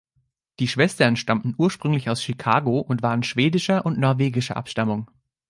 Die Schwestern stammten ursprünglich aus Chicago und waren schwedischer und norwegischer Abstammung.